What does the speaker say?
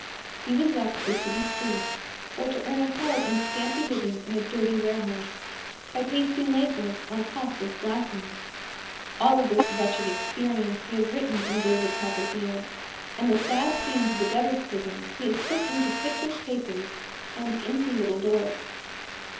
He was left to the city streets, or to earn a hard and scanty living in a dirty warehouse, by pasting labels on pots of blacking. All of this wretched experience he has written in David Copperfield, and the sad scenes of the debtors' prison he has put into Pickwick Papers and into Little Dorrit.